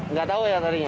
nggak tahu ya tadinya